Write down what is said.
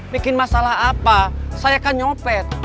bikin masalah apa saya kan nyopet